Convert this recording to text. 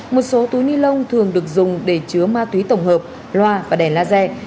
một số túi ni lông thường được dùng để chứa ma túy tổng hợp loa và đèn laser